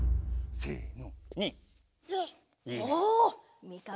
せの。